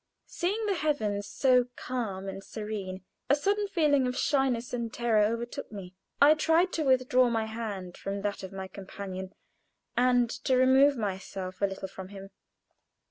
Seeing the heavens so calm and serene, a sudden feeling of shyness and terror overtook me. I tried to withdraw my hand from that of my companion, and to remove myself a little from him.